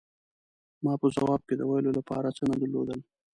ما په ځواب کې د ویلو له پاره څه نه درلودل.